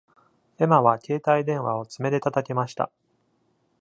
エマは携帯電話を爪で叩きました。